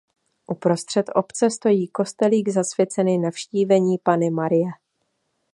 Uprostřed obce stojí kostelík zasvěcený Navštívení Panny Marie.